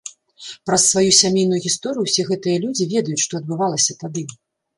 Праз сваю сямейную гісторыю ўсе гэтыя людзі ведаюць, што адбывалася тады.